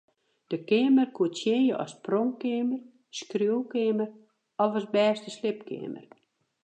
Der keamer koe tsjinje as pronkkeamer, skriuwkeamer of as bêste sliepkeamer.